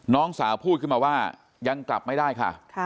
น้องสาวพูดขึ้นมาว่ายังกลับไม่ได้ค่ะ